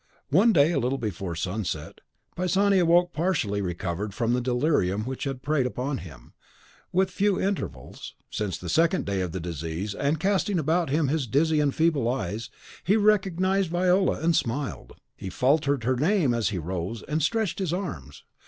One day, a little before sunset, Pisani woke partially recovered from the delirium which had preyed upon him, with few intervals, since the second day of the disease; and casting about him his dizzy and feeble eyes, he recognised Viola, and smiled. He faltered her name as he rose and stretched his arms.